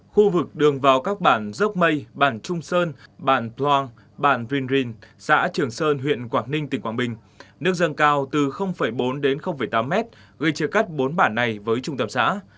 khu vực đường vào các bản dốc mây bản trung sơn bản ploang bản vinh rinh xã trường sơn huyện quảng ninh tỉnh quảng bình nước dâng cao từ bốn đến tám mét gây chia cắt bốn bản này với trung tâm xã